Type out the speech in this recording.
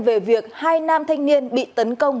về việc hai nam thanh niên bị tấn công